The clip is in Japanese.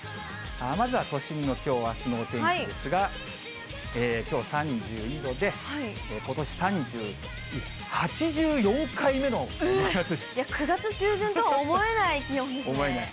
まずは都心のきょう、あすのお天気ですが、きょう３２度で、９月中旬とは思えない気温で思えない。